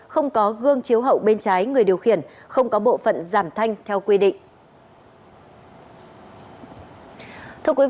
không có gương chiếu hậu bên trái người điều khiển không có bộ phận giảm thanh theo quy định